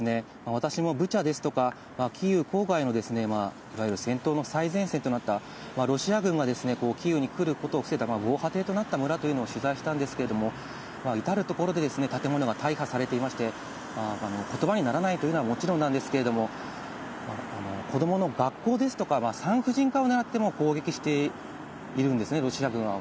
私もブチャですとか、キーウ郊外のいわゆる戦闘の最前線となった、ロシア軍はキーウに来ることを防いだ防波堤となった村というのを取材したんですけれども、至る所で建物が大破されていまして、ことばにならないというのはもちろんなんですけれども、子どもの学校ですとか、産婦人科を狙って攻撃してるんですね、ロシア軍は。